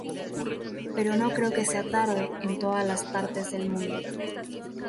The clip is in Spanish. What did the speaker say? Pero no creo que sea tarde en todas las partes del mundo...".